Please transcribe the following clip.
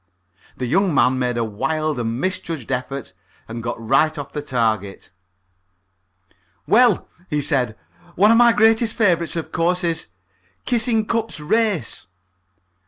The young man made a wild and misjudged effort, and got right off the target. "Well," he said, "one of my greatest favourites of course is 'Kissingcup's Race.'"